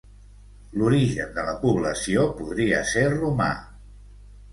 L'origen de la població podria ser romà.